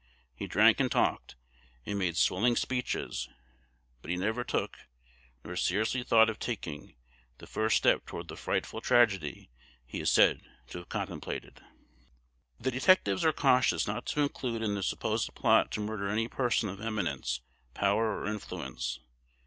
He drank and talked, and made swelling speeches; but he never took, nor seriously thought of taking, the first step toward the frightful tragedy he is said to have contemplated. The detectives are cautious not to include in the supposed plot to murder any person of eminence, power, or influence.